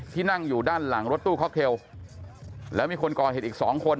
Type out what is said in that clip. นั่งอยู่ด้านหลังรถตู้ค็อกเทลแล้วมีคนก่อเหตุอีกสองคน